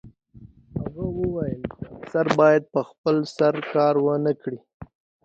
هغه وویل چې افسر باید په خپل سر کار ونه کړي